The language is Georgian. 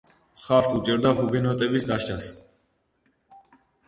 მხარს უჭერდა ჰუგენოტების დასჯას.